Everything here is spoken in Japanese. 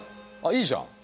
いいじゃん！